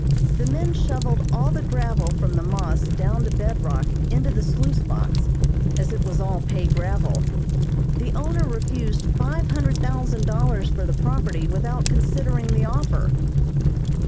The men shovelled all the gravel from the moss down to bedrock into the sluice box as it was all pay gravel. The owner refused five hundred thousand dollars for the property without considering the offer."